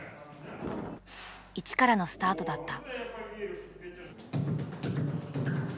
一からのスタートだった。